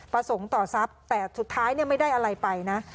ประสงค์ต่อทรัพย์แต่สุดท้ายไม่ได้อะไรไปนะ